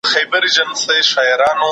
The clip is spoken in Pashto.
نوي ټیکنالوژي د پخوانۍ په پرتله ښه ده.